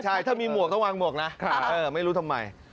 ใช่ถ้ามีหมวกต้องวางหมวกนะไม่รู้ทำไม